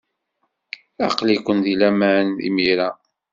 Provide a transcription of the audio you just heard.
Aql-iken deg laman imir-a.